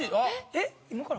「えっ今から？」